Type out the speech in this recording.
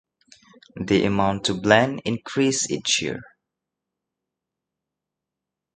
The amount to blend increased each year.